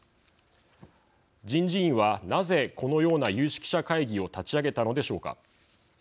人事院はなぜこのような有識者会議を立ち上げたのでしょうか。